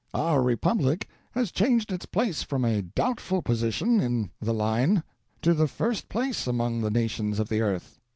Our Republic has changed hits place from a doubtful position n the line to the first place among the nations of the earth.